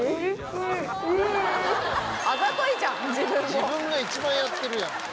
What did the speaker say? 自分が一番やってるやん。